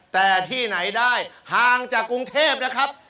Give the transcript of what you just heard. แต่ที่ไหนได้ห่างจากกรุงเทพนะครับ